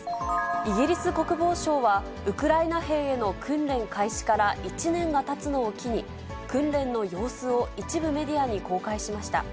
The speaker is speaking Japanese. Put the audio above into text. イギリス国防省は、ウクライナ兵への訓練開始から１年がたつのを機に、訓練の様子を一部メディアに公開しました。